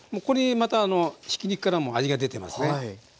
これまたひき肉からも味が出てますね。